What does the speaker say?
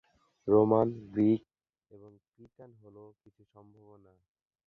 Roman, Greek এবং Cretan হল কিছু সম্ভাবনা।